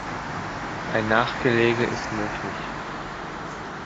Ein Nachgelege ist möglich.